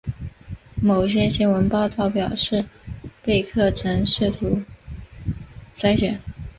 某些新闻报道表示贝克曾试图贿选。